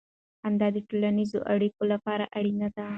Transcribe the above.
خندا د ټولنیزو اړیکو لپاره اړینه ده.